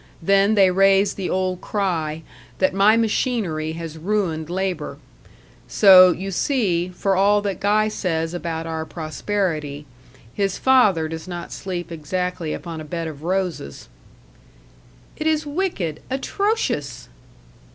Then they raise the old cry that my machinery has ruined labour. So, you see, for all that Guy says about our prosperity, his father does not sleep exactly upon a bed of roses." "It is wicked atrocious!"